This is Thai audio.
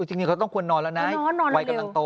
จริงเขาต้องควรนอนแล้วนะ